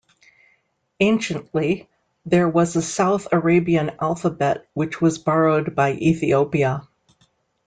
Anciently, there was a South Arabian alphabet, which was borrowed by Ethiopia.